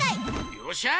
よっしゃ！